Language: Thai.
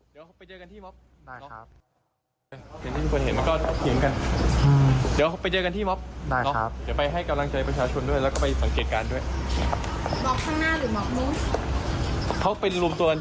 จะไปอานุสวรีเลย